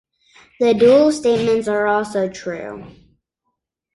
The dual statements are also true.